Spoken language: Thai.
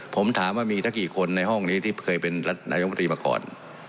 ผมถามว่ามีทั้งกี่คนในห้องนี้ที่เคยเป็นรัฐนายมตรีมาก่อน